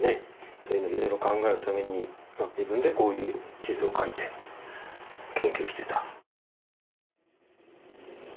そういうのいろいろ考えるために自分でこういう地図を描いて研究してた。